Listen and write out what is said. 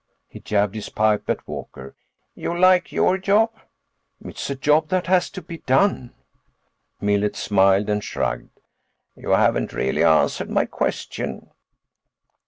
He jabbed his pipe at Walker. "You like your job?" "It's a job that has to be done." Millet smiled and shrugged. "You haven't really answered my question."